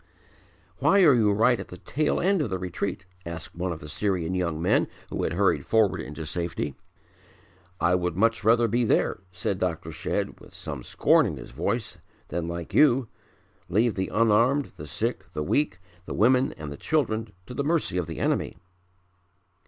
"Why are you right at the tail end of the retreat?" asked one of the Syrian young men who had hurried forward into safety. "I would much rather be there," said Dr. Shedd with some scorn in his voice, "than like you, leave the unarmed, the sick, the weak, the women and the children to the mercy of the enemy."